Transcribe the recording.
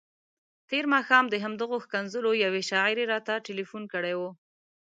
تېر ماښام د همدغو ښکنځلو یوې شاعرې راته تلیفون کړی وو.